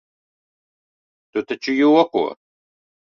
Tu taču joko?